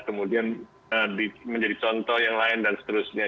kemudian menjadi contoh yang lain dan seterusnya